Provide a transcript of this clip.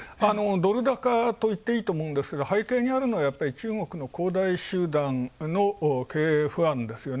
ドル高といいとおもうんですが、背景にあるのは中国の恒大集団の経営不安ですよね。